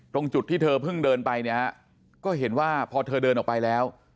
ตรงจุดที่เธอเพิ่งเดินไปเนี่ยฮะก็เห็นว่าพอเธอเดินออกไปแล้ว